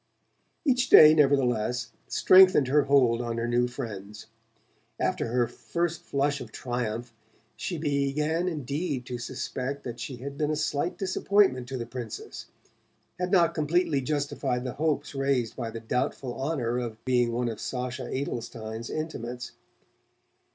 Each day, nevertheless, strengthened her hold on her new friends. After her first flush of triumph she began indeed to suspect that she had been a slight disappointment to the Princess, had not completely justified the hopes raised by the doubtful honour of being one of Sacha Adelschein's intimates.